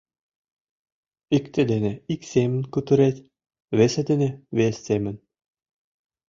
— Икте дене ик семын кутырет, весе дене — вес семын...